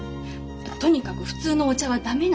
とにかく普通のお茶は駄目なのよ。